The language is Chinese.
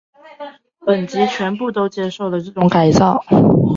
本级全部都接受了这种改造。